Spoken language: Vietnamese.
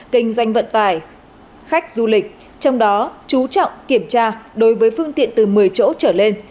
kinh doanh vận tải khách du lịch trong đó chú trọng kiểm tra đối với phương tiện từ một mươi chỗ trở lên